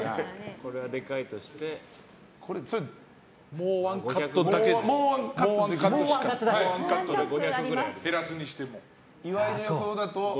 もうワンカットだけできます。